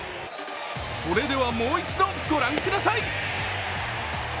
それではもう一度御覧ください。